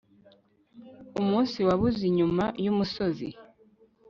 umunsi wabuze inyuma y'umusozi